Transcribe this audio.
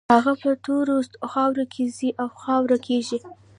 هغه په تورو خاورو کې ځي او خاورې کېږي.